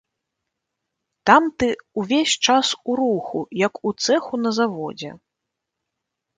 Там ты ўвесь час у руху, як у цэху на заводзе.